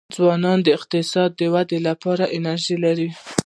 ځوانان د اقتصاد د ودي لپاره انرژي لري.